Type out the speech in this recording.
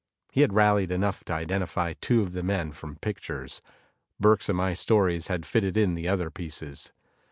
He had rallied enough to identify two of the men from pictures. Burke's and my stories had fitted in the other pieces.